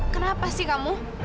kenapa sih kamu